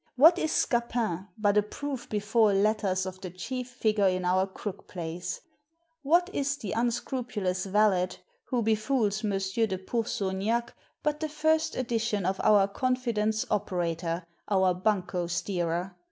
What is Scapin but a proof bef ore letters of the chief figure in our crook plays ? What is the un scrupulous valet who befools Monsieur de Pour ceaugnac but the first edition of our confidence operator, our bunco steerer